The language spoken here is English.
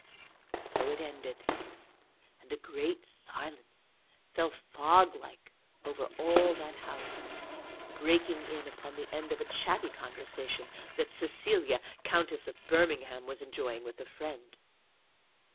So it ended. And a great silence fell fog like over all that house, breaking in upon the end of a chatty conversation that Cecilia, Countess of Birmingham, was enjoying with a friend.